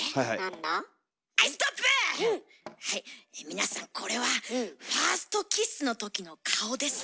皆さんこれはファーストキッスの時の顔です。